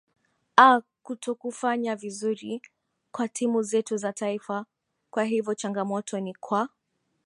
aa kutokufanya vizuri kwa timu zetu za taifa kwa hivyo changamoto ni kwa